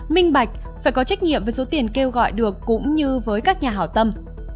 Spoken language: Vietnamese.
minh bạch phải có trách nhiệm với số tiền kêu gọi được cũng như với các nhà hảo tâm